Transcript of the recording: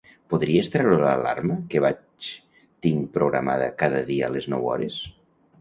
Podries treure l'alarma que vaig tinc programada cada dia a les nou hores?